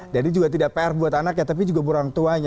jadi juga tidak pr buat anak ya tapi juga buat orang tuanya